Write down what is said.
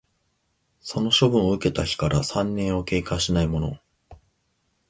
その処分を受けた日から三年を経過しないもの